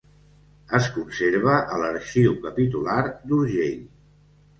Es conserva a l'Arxiu Capitular d'Urgell.